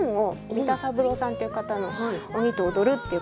三田三郎さんっていう方の「鬼と踊る」っていう歌集。